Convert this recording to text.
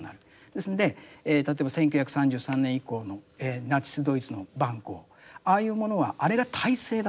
ですんで例えば１９３３年以降のナチス・ドイツの蛮行ああいうものはあれが体制だったわけですよね。